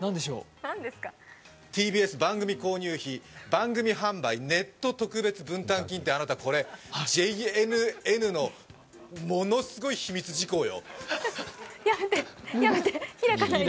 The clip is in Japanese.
ＴＢＳ番組購入費、番組販売・ネット特別分配金ってこれ、ＪＮＮのすごい秘密事項よ。